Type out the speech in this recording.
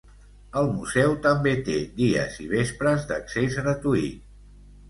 El Museu també té dies i vespres d'accés gratuït.